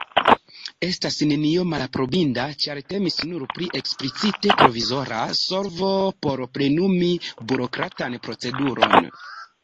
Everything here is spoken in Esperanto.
Estas nenio malaprobinda, ĉar temis nur pri eksplicite provizora solvo por plenumi burokratan proceduron.